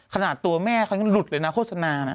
ขนาดตัวแม่เขายังหลุดเลยนะโฆษณานะ